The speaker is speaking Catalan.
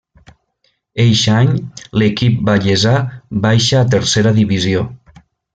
Eixe any, l'equip vallesà baixa a Tercera Divisió.